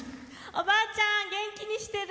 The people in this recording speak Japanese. おばあちゃん、元気にしてる？